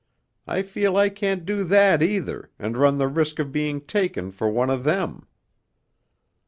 I feel I can't do that either, and run the risk of being taken for one of them....'